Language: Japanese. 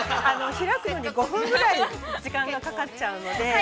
開くのに５分ぐらい時間がかかっちゃうので。